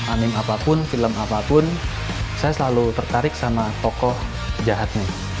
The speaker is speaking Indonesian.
anime apapun film apapun saya selalu tertarik sama toko jahat nih